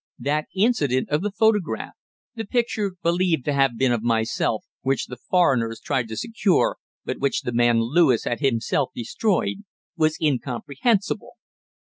That incident of the photograph the picture believed to have been of myself which the foreigner tried to secure but which the man Lewis had himself destroyed, was incomprehensible.